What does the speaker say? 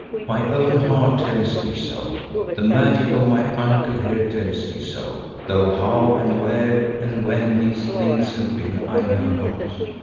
My own heart tells me so; the magic of my uncle here tells me so, though how and where and when these things have been I know not.